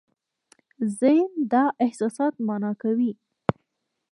ذهن دا احساسات مانا کوي.